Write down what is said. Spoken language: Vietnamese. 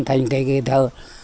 thành cái thờ